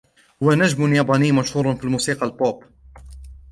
هو نجم ياباني شهير في موسيقى البوب.